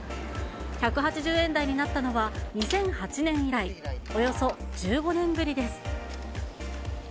１８０円台になったのは、２００８年以来、およそ１５年ぶりです。